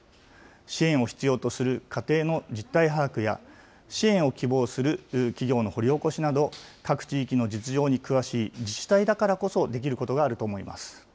支援を必要とする家庭の実態把握や、支援を希望する企業の掘り起こしなど、各地域の実情に詳しい自治体だからこそできることがあると思います。